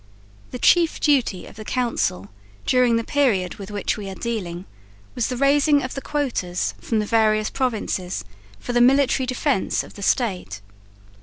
The chief duty of the Council, during the period with which we are dealing, was the raising of the "quotas" from the various provinces for the military defence of the State.